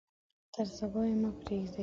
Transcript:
تر صبا یې مه پریږدئ.